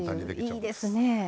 いいですね。